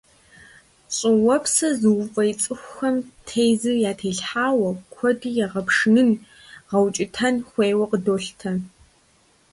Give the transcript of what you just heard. Щӏыуэпсыр зыуфӏей цӏыхухэм тезыр ятелъхьауэ, къуэды егъэпшынын, гъэукӏытэн хуейуэ къыдолъытэ.